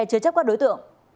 chứa chấp các đối tượng